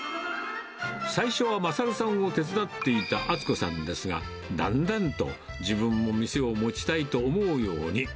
最初は賢さんを手伝っていた厚子さんですが、だんだんと自分も店を持ちたいと思うように。